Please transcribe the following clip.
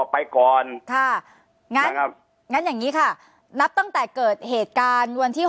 ไปก่อนค่ะงั้นครับงั้นงั้นอย่างนี้ค่ะนับตั้งแต่เกิดเหตุการณ์วันที่